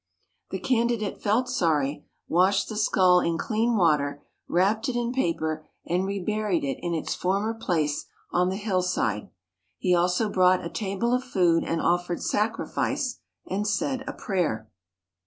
The candidate felt sorry, washed the skull in clean water, wrapped it in paper and reburied it in its former place on the hill side. He also brought a table of food and offered sacrifice, and said a prayer.